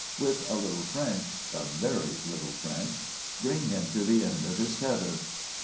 with a little French, a very little French, bring him to the end of his tether.